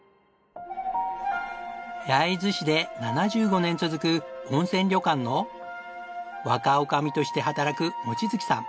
焼津市で７５年続く温泉旅館の若女将として働く望月さん。